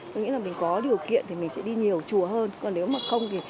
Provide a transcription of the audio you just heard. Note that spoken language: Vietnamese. tôi nghĩ là mình có điều kiện thì mình sẽ đi nhiều chùa hơn còn nếu mà không thì